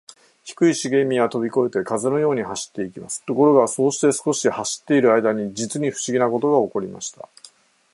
低いしげみはとびこえて、風のように走っていきます。ところが、そうして少し走っているあいだに、じつにふしぎなことがおこりました。